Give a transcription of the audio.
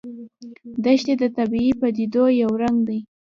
دښتې د طبیعي پدیدو یو رنګ دی.